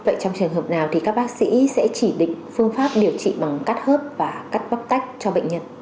vậy trong trường hợp nào thì các bác sĩ sẽ chỉ định phương pháp điều trị bằng cắt hớp và cắt bóc tách cho bệnh nhân